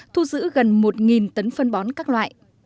thu giữ gần một tấn phân bón các loại